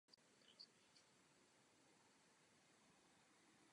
I zde byly splněny důležité předpoklady.